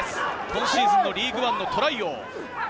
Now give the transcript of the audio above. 今シーズンのリーグワンのトライ王。